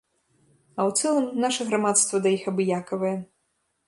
А ў цэлым наша грамадства да іх абыякавае.